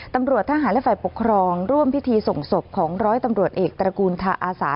ตำรวจทหารและฝ่ายปกครองร่วมพิธีส่งศพของร้อยตำรวจเอกตระกูลทาอาสา